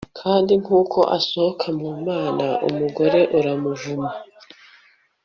Kandi nkuko asohoka mu Mana mugore uramuvamo